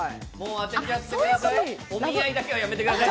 当てちゃってください。